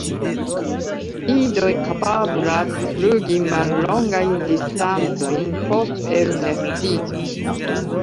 Idoj kapablas flugi mallongajn distancojn post elnestiĝo.